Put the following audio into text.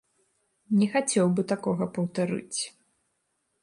Не хацеў бы такога паўтарыць.